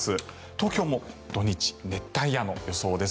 東京も土日、熱帯夜の予想です。